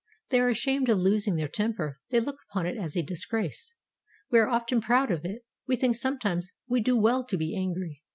They are ashamed of losing their temper; they look upon it as a disgrace. We are often proud of it; we think sometimes we do well to be angry.